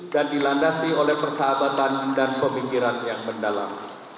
dan dilandasi oleh persahabatan dan pemikiran yang mendalam